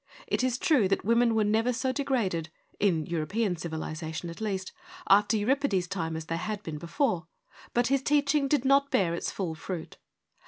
It is true that women were never so de graded — in European civilisation at least — after Euripides' time as they had been before ; but his teaching did not bear its full fruit.